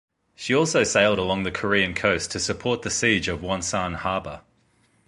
She also sailed along the Korean coast to support the siege of Wonsan harbor.